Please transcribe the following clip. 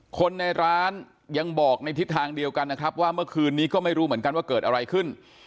คนในร้านยังบอกในทิศทางเดียวกันนะครับว่าเมื่อคืนนี้ก็ไม่รู้เหมือนกันว่าเกิดอะไรขึ้น